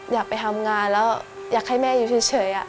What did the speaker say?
อยากไปทำงานแล้วอยากให้แม่อยู่เฉย